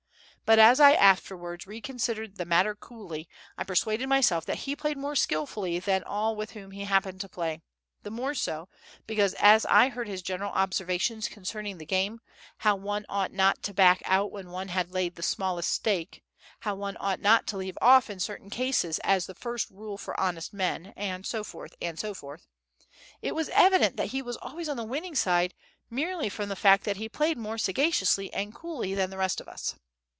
But as I afterwards reconsidered the matter coolly, I persuaded myself that he played more skilfully than all with whom he happened to play: the more so, because as I heard his general observations concerning the game, how one ought not to back out when one had laid the smallest stake, how one ought not to leave off in certain cases as the first rule for honest men, and so forth, and so forth, it was evident that he was always on the winning side merely from the fact that he played more sagaciously and coolly than the rest of us.